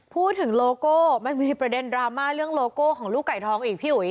โลโก้มันมีประเด็นดราม่าเรื่องโลโก้ของลูกไก่ทองอีกพี่อุ๋ย